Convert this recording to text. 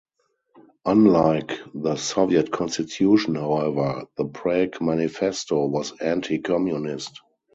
Unlike the Soviet Constitution, however, the Prague Manifesto was anti-communist.